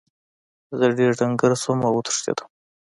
زه ډیر ډنګر شوم او وتښتیدم.